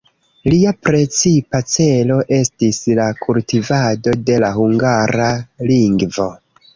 Lia precipa celo estis la kultivado de la hungara lingvo.